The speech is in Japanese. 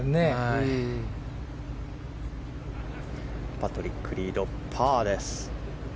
パトリック・リードパーです。